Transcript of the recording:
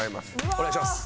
お願いします。